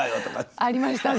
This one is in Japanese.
ありましたね。